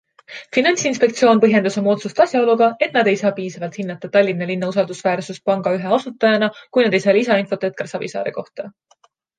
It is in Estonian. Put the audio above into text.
Finantsinspektsioon põhjendas oma otsust asjaoluga, et nad ei saa piisavalt hinnata Tallinna linna usaldusväärsust panga ühe asutajana, kui nad ei saa lisainfot Egar Savisaare kohta.